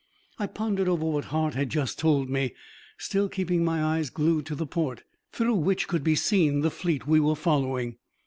I pondered over what Hart had just told me, still keeping my eyes glued to the port, through which could be seen the fleet we were following.